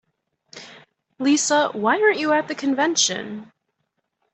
Lisa, why aren't you at the convention?